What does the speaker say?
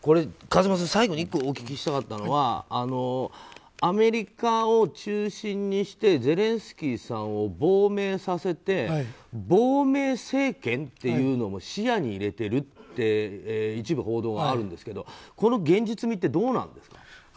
風間さん、最後に１個お聞きしたかったのはアメリカを中心にしてゼレンスキーさんを亡命させて、亡命政権というのも視野に入れているという一部報道があるんですけどこの現実味ってどうなんですか。